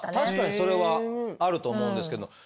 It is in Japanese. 確かにそれはあると思うんですけど。